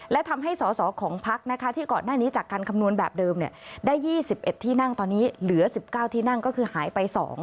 และทำให้สอสอของพักนะคะที่ก่อนหน้านี้จากการคำนวณแบบเดิมได้๒๑ที่นั่งตอนนี้เหลือ๑๙ที่นั่งก็คือหายไป๒